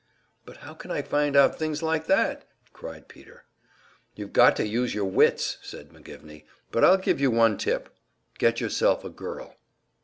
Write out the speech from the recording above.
"But how can I find out things like that?" cried Peter. "You've got to use your wits," said McGivney. "But I'll give you one tip; get yourself a girl."